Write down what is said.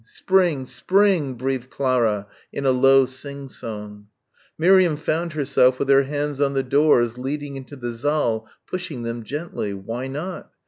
Spring! Spring!" breathed Clara, in a low sing song. Miriam found herself with her hands on the doors leading into the saal, pushing them gently. Why not?